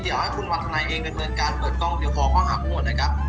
เดี๋ยวให้คุณวันทนายเองกันเวินการเปิดกล้องดูด้านละตากับทางผู้กรองนะครับ